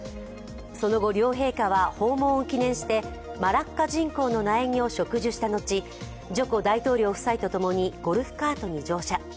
その後、両陛下は訪問を記念してマラッカジンコウの苗木を植樹した後ジョコ大統領夫妻とともにゴルフカートに乗車。